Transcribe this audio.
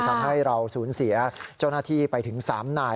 ทำให้เราสูญเสียเจ้าหน้าที่ไปถึง๓นาย